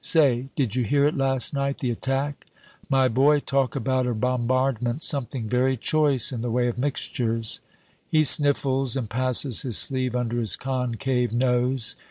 Say, did you hear it last night, the attack? My boy, talk about a bombardment something very choice in the way of mixtures!" He sniffles and passes his sleeve under his concave nose.